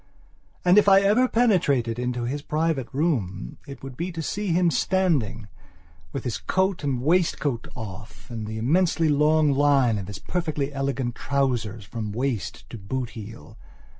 And, if I ever penetrated into his private room it would be to see him standing, with his coat and waistcoat off and the immensely long line of his perfectly elegant trousers from waist to boot heel.